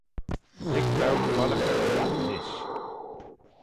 Lhig dou follaghey aynyd nish!